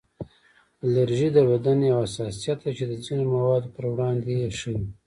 الرژي د بدن یو حساسیت دی چې د ځینو موادو پر وړاندې یې ښیي